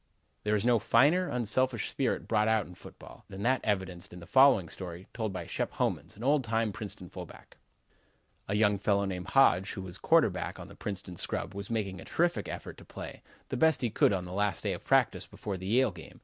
There is no finer, unselfish spirit brought out in football, than that evidenced in the following story, told by Shep Homans, an old time Princeton fullback: "A young fellow named Hodge, who was quarterback on the Princeton scrub, was making a terrific effort to play the best he could on the last day of practice before the Yale game.